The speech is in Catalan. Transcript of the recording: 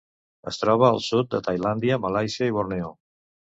Es troba al sud de Tailàndia, Malàisia i Borneo.